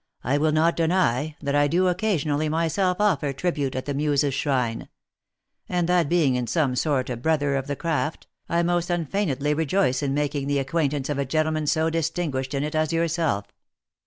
— I will not deny, that I do occasionally myself offer tri bute at the muse's shrine ; and that being in some sort a brother of the craft, I most unfeignedly rejoice in making the acquaintance of a gentleman so distinguished in it as yourself.